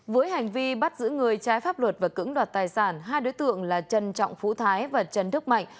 với hành vi bắt giữ người trái pháp luật và cứng đoạt tài sản hai đối tượng là trần trọng phú thái và trần đức mạnh